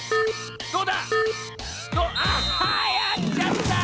どうだ⁉あやっちゃった！